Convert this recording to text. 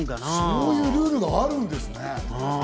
そういうルールがあるんですね。